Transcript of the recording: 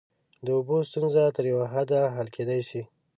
د اوبو ستونزه تر یوه حده حل کیدای شي.